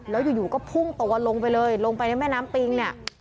แล้วอยู่ก็พุ่งตัวลงไปเลยลงไปในแม่น้ำปิงเนี่ย